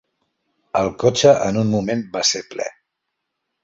El cotxe en un moment va ser ple